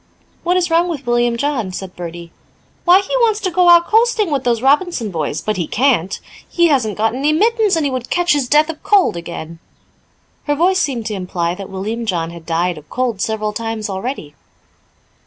"What is wrong with William John?" asked Bertie. "Why, he wants to go out coasting with those Robinson boys, but he can't. He hasn't got any mittens and he would catch his death of cold again." Her voice seemed to imply that William John had died of cold several times already.